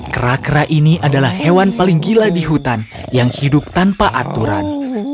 kera kera ini adalah hewan paling gila di hutan yang hidup tanpa aturan